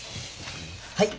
はい。